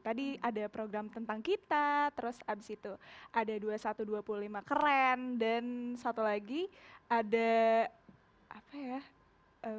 tadi ada program tentang kita terus abis itu ada dua ribu satu ratus dua puluh lima keren dan satu lagi ada apa ya